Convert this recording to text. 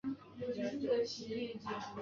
在场上的位置是边锋。